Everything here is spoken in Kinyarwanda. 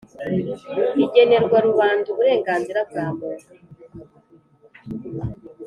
igenerwa Rubanda Uburenganzira bwa Muntu.